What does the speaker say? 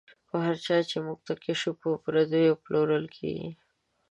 په هر چا چی موږ تکیه شو، په پردیو پلورل کیږی